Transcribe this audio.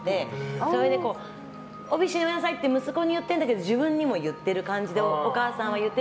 それで帯締めなさいって息子に言ってるんだけど自分にも言ってる感じでお母さんは言って。